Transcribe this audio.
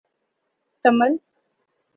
Tamil